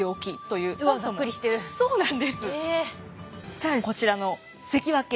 更にこちらの関脇。